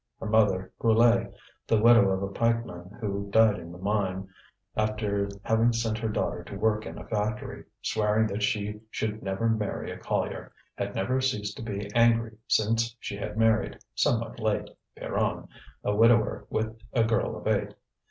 Her mother, Brulé, the widow of a pikeman who died in the mine, after having sent her daughter to work in a factory, swearing that she should never marry a collier, had never ceased to be angry since she had married, somewhat late, Pierron, a widower with a girl of eight.